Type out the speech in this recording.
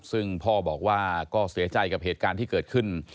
ซึ่งพ่อบอกว่าก็เสียใจกับเหตุการณ์ที่เกิดขึ้น